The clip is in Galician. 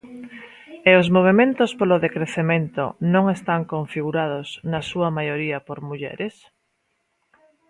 E os movementos polo decrecemento non están configurados na súa maioría por mulleres?